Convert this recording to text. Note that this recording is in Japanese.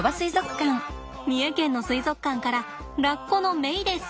三重県の水族館からラッコのメイです。